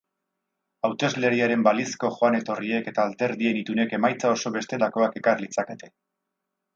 Hautesleriaren balizko joan-etorriek eta alderdien itunek emaitza oso bestelakoak ekar litzakete.